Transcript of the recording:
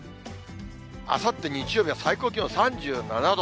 あさって日曜日は最高気温３７度。